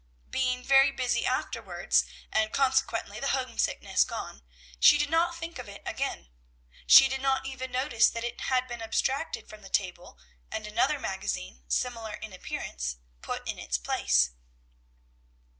Being very busy afterwards, and consequently the homesickness gone, she did not think of it again; she did not even notice that it had been abstracted from the table and another magazine, similar in appearance, put in its place.